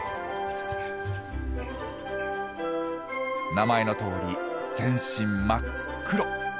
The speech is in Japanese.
名前のとおり全身真っ黒。